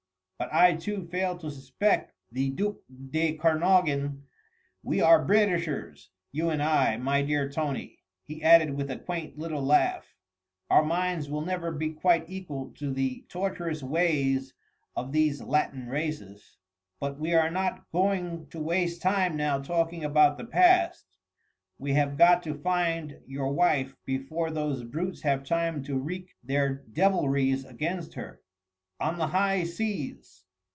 But I too failed to suspect the duc de Kernogan. We are Britishers, you and I, my dear Tony," he added with a quaint little laugh, "our minds will never be quite equal to the tortuous ways of these Latin races. But we are not going to waste time now talking about the past. We have got to find your wife before those brutes have time to wreak their devilries against her." "On the high seas